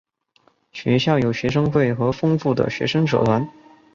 学校有学生会和丰富的学生社团。